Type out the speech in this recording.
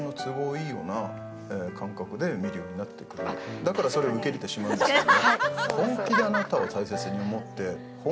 だからそれを受け入れてしまうんですね。